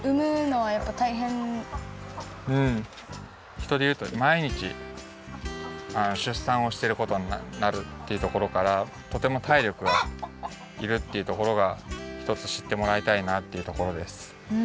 ひとでいうとまいにちしゅっさんをしてることになるっていうところからとてもたいりょくがいるっていうところがひとつしってもらいたいなっていうところです。